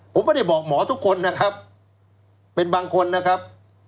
ผมไม่ได้บอกหมอทุกคนนะครับเป็นบางคนนะครับ